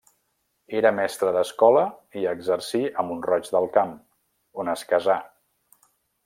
Era mestre d'escola i exercí a Mont-roig del Camp, on es casà.